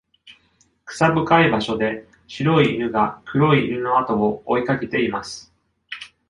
草深い場所で、白い犬が黒い犬の後を追いかけています。